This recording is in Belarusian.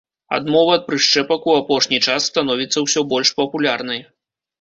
Адмова ад прышчэпак у апошні час становіцца ўсё больш папулярнай.